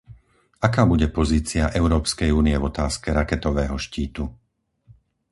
Aká bude pozícia Európskej únie v otázke raketového štítu?